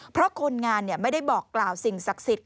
เพราะคนงานไม่ได้บอกกล่าวสิ่งศักดิ์สิทธิ